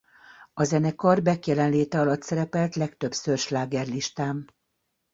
A zenekar Beck jelenléte alatt szerepelt legtöbbször slágerlistán.